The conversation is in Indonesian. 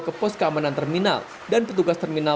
ke pos keamanan terminal dan petugas terminal